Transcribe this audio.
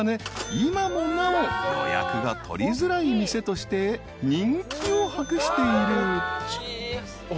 今もなお予約が取りづらい店として人気を博している］